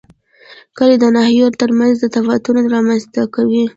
کلي د ناحیو ترمنځ تفاوتونه رامنځ ته کوي.